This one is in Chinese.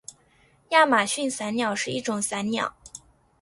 亚马逊伞鸟是一种伞鸟。